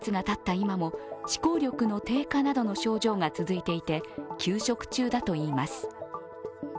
今も思考力の低下などの症状が続いていて、休職中だといいます。